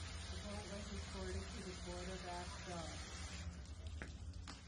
The boat was escorted to the port of Ashdod.